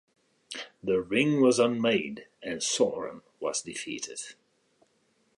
The Ring was unmade and Sauron was defeated.